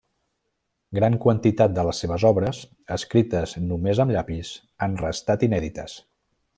Gran quantitat de les seves obres, escrites només amb llapis, han restat inèdites.